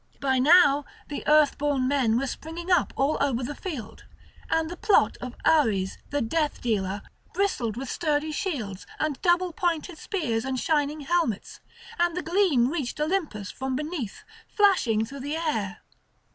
By now the earthborn men were springing up over all the field; and the plot of Ares, the death dealer, bristled with sturdy shields and double pointed spears and shining helmets; and the gleam reached Olympus from beneath, flashing through the air.